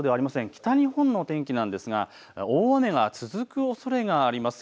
北日本の天気なんですが大雨が続くおそれがあります。